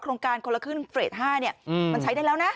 โครงการคนละครึ่งเฟรด๕มันใช้ได้แล้วนะ